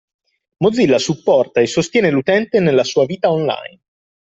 Mozilla supporta e sostiene l’utente nella sua vita online.